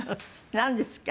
なんですか？